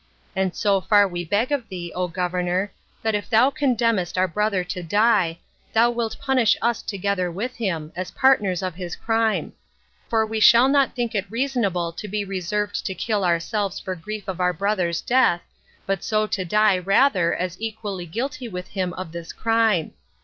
And so far we beg of thee, O governor, that if thou condemnest our brother to die, thou wilt punish us together with him, as partners of his crime, for we shall not think it reasonable to be reserved to kill ourselves for grief of our brother's death, but so to die rather as equally guilty with him of this crime.